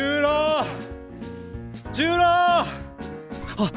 あっ！